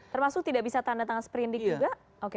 termasuk tidak bisa tanda tangan sprindik juga